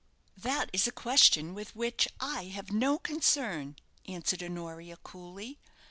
"That is a question with which I have no concern," answered Honoria, coolly.